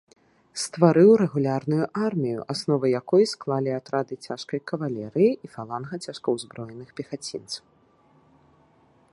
Стварыў рэгулярную армію, аснову якой склалі атрады цяжкай кавалерыі і фаланга цяжкаўзброеных пехацінцаў.